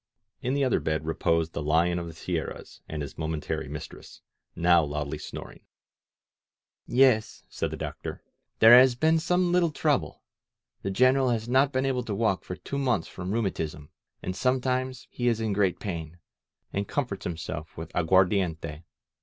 In the other bed reposed the Lion of the Sierras and his momentary mistress, now loudly snoring. ^*Yes,'' said the Doctor, "there has been some little trouble. The General has not been able to walk for two months from rheumatism. .•. And sometimes he is in great pain, and comforts himself with aguardiente.